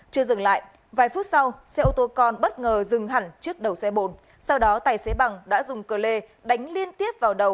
chưa dừng lại vài phút sau xe ô tô con bất ngờ dừng hẳn trước đầu xe bồn sau đó tài xế bằng đã dùng cơ lê đánh liên tiếp vào đầu